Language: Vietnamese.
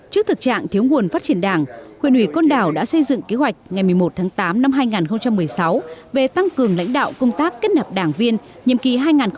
trước thực trạng thiếu nguồn phát triển đảng huyện ủy côn đảo đã xây dựng kế hoạch ngày một mươi một tháng tám năm hai nghìn một mươi sáu về tăng cường lãnh đạo công tác kết nạp đảng viên nhiệm kỳ hai nghìn một mươi năm hai nghìn hai mươi